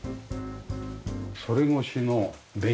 それ越しの田園。